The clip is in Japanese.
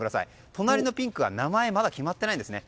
隣のピンクは、まだ名前が決まっていないんですね。